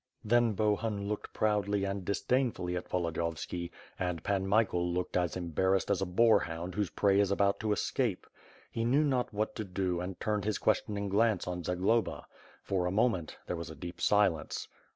Then Bohun looked proudly and disdainfully at Volodi yovski, and Pan Michael looked as embarrassed as a boar hound whose prey is about to escape. He knew not what to do and turned his questioning glance on Zagloba. For a moment, there was a deep silence.